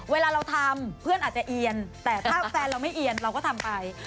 เวลาเราทำเพื่อนอาจจะเอียนแต่ถ้าแฟนเราไม่เอียนเราก็ทำไป